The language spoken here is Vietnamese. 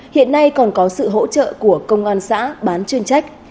hiện nay còn có sự hỗ trợ của công an xã bán chuyên trách